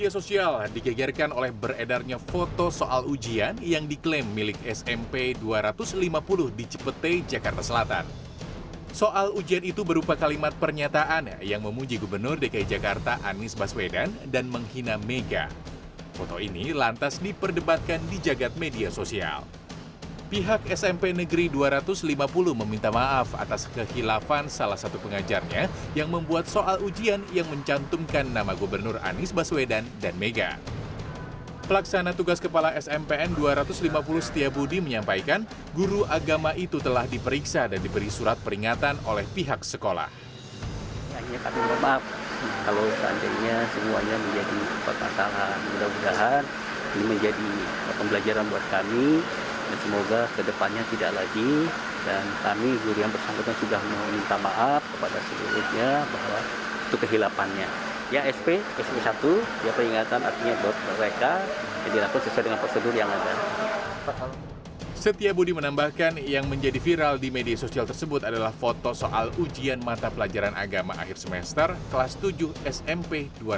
setia budi menambahkan yang menjadi viral di media sosial tersebut adalah foto soal ujian mata pelajaran agama akhir semester kelas tujuh smp dua ratus lima puluh